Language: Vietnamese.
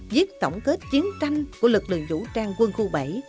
giết tổng kết chiến tranh của lực lượng vũ trang quân khu bảy